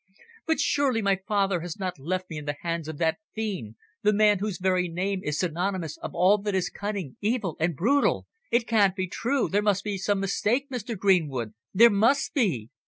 "But surely my father has not left me in the hands of that fiend the man whose very name is synonymous of all that is cunning, evil and brutal? It can't be true there must be some mistake, Mr. Greenwood there must be!